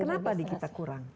kenapa di kita kurang